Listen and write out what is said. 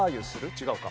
違うか。